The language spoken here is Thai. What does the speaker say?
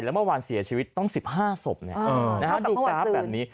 และเมื่อวานเสียชีวิตต้อง๑๕ศพมันนี้